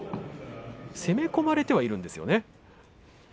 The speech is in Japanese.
攻め込まれてはいるんですよね。